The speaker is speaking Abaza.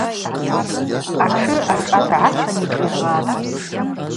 Атшы ашӏа дгӏахъын йшӏижватӏ.